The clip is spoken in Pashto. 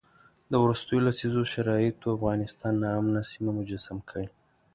د وروستیو لسیزو شرایطو افغانستان ناامنه سیمه مجسم کړی.